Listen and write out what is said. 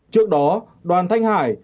trước đó đoàn thanh hải